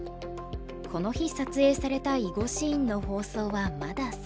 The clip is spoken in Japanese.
この日撮影された囲碁シーンの放送はまだ先。